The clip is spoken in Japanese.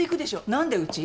何でうち？